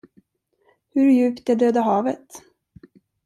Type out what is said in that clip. Hur djupt är döda havet?